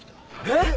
えっ！